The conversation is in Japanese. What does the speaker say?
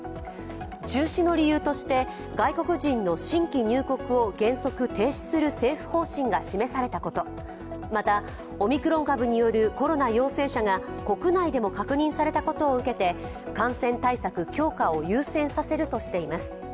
中止の理由として、外国人の新規入国を原則停止する政府方針が示されたこと、また、オミクロン株によるコロナ陽性者が国内でも確認されたことを受けて感染対策強化を優先させるとしています。